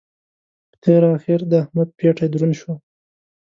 په تېره اخېر د احمد پېټی دروند شو.